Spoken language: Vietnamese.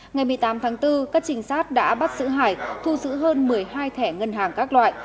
ngày một mươi tám tháng bốn các trinh sát đã bắt sử hải thu giữ hơn một mươi hai thẻ ngân hàng các loại